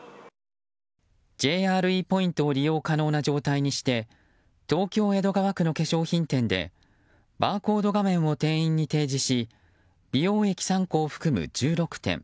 ＪＲＥポイントを利用可能な状態にして東京・江戸川区の化粧品店でバーコード画面を店員に提示し美容液３個を含む１６点